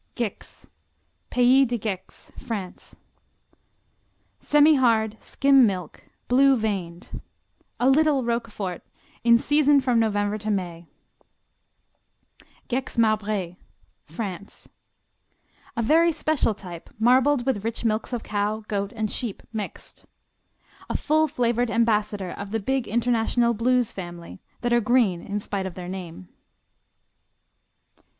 Gex Pays de Gex, France Semihard; skim milk; blue veined. A "little" Roquefort in season from November to May. Gex Marbré France A very special type marbled with rich milks of cow, goat and sheep, mixed. A full flavored ambassador of the big international Blues family, that are green in spite of their name.